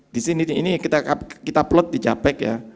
di sini ini kita plot di japek ya